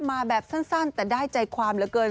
มาแบบสั้นแต่ได้ใจความเหลือเกิน